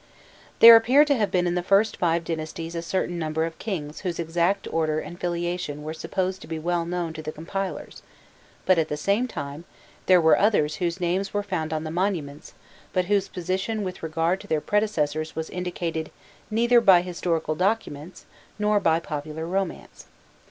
There appear to have been in the first five dynasties a certain number of kings whose exact order and filiation were supposed to be well known to the compilers; but, at the same time, there were others whose names were found on the monuments, but whose position with regard to their predecessors was indicated neither by historical documents nor by popular romance.